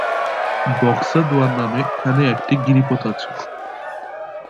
বক্সা-দুয়ার নামে এখানে একটি গিরিপথ আছে।